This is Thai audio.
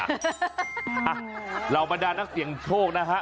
อ่ะเรามาด้านนักเสียงโชคนะฮะ